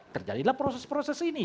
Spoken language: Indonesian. terjadilah proses proses ini